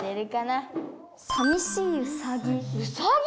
さみしいウサギ。